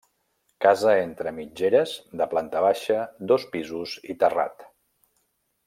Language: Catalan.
Casa entre mitgeres de planta baixa, dos pisos i terrat.